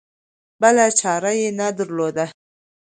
بله چاره یې نه درلوده.